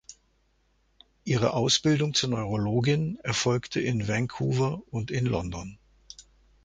Ihre Ausbildung zur Neurologin erfolgte in Vancouver und in London.